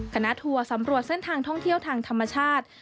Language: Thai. ทัวร์สำรวจเส้นทางท่องเที่ยวทางธรรมชาติ